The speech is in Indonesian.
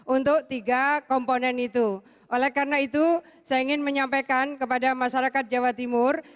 untuk tiga komponen itu oleh karena itu saya ingin menyampaikan kepada masyarakat jawa timur